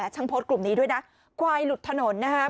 ช่างโพสต์กลุ่มนี้ด้วยนะควายหลุดถนนนะครับ